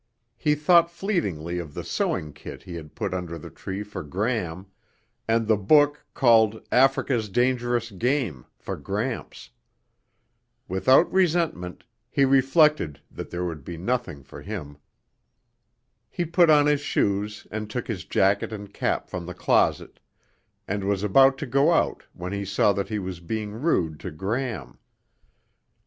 He thought fleetingly of the sewing kit he had put under the tree for Gram and the book called Africa's Dangerous Game for Gramps. Without resentment, he reflected that there would be nothing for him. He put on his shoes and took his jacket and cap from the closet, and was about to go out when he saw that he was being rude to Gram.